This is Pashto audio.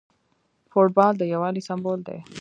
فوټبال د یووالي سمبول دی.